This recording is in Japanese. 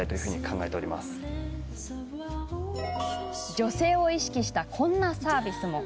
女性を意識したこんなサービスも。